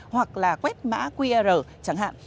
hoặc là quét mã qr chẳng hạn